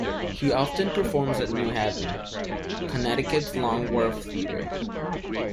He often performs at New Haven, Connecticut's Long Wharf Theatre.